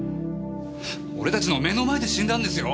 俺たちの目の前で死んだんですよ！